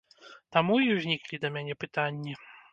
Таму і ўзніклі да мяне пытанні.